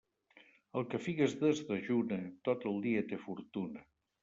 El que figues desdejuna, tot el dia té fortuna.